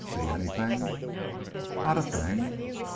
See anything?" "Not a thing."